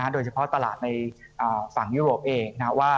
โดยเฉพาะตลาดในฝั่งยุโรปเองว่า